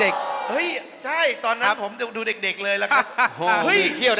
โอ้จับเร็ว